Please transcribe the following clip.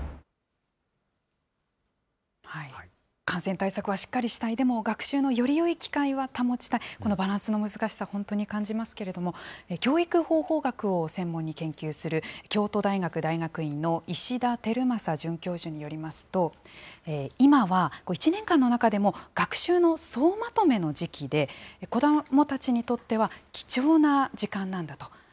感染対策はしっかりしたい、でも学習のよりよい機会は保ちたい、このバランスの難しさ本当に感じますけれども、教育方法学を専門に研究する、京都大学大学院の石田英真准教授によりますと、今は１年間の中でも、学習の総まとめの時期で、子どもたちにとっては貴重な時間なんだと。